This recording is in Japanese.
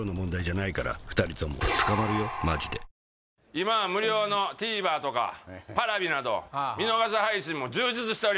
今は無料のＴＶｅｒとかＰａｒａｖｉなど見逃し配信も充実しております